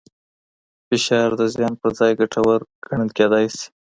فشار د زیان پر ځای ګټور ګڼل کېدای شي.